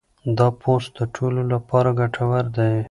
دا پوسټ د ټولو لپاره ګټور دی.